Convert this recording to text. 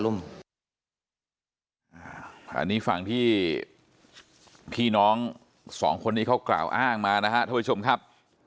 อันนี้ฝั่งที่พี่น้องสองคนนี้เขากล่าวอ้างมานะครับท่านผู้ชมครับ